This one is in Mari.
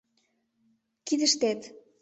Кидыштет